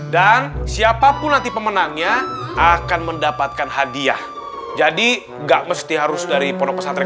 dan siapapun nanti pemenangnya akan mendapatkan hadiah jadi enggak mesti harus dari ponok pesatrik